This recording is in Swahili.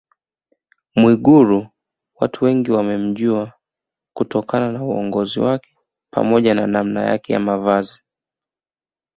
Mwigulu watu wengi wamemjua kutokana na uongozi wake pamoja na namna yake ya Mavazi